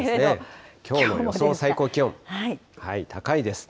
きょうも最高気温高いです。